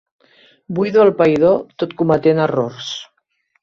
Buido el païdor tot cometent errors.